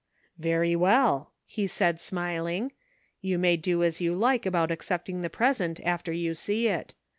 "Very well," he said, smiling, "you may do as you like about accepting the present after you see it.